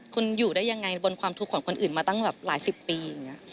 คุณอยู่ได้ยังไงบนความทุกข์ของคนอื่นมาตั้งแบบหลายสิบปีอย่างนี้